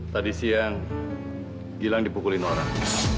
tadi siang gilang dipukulin orang